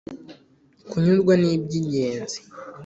kunyurwa ni iby’ingenzi.